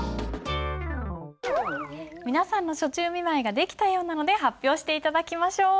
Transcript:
皆さんの暑中見舞いが出来たようなので発表して頂きましょう。